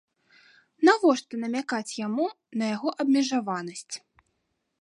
Навошта намякаць яму на яго абмежаванасць?